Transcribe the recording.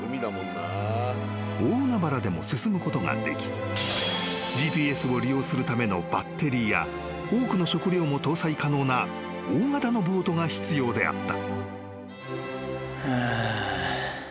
［大海原でも進むことができＧＰＳを利用するためのバッテリーや多くの食料も搭載可能な大型のボートが必要であった］